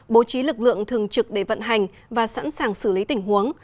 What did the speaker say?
bố trí lực lượng thường trực để vận hành và sẵn sàng xử lý tình huống